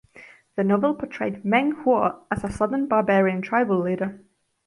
The novel portrayed Meng Huo as a southern barbarian tribal leader.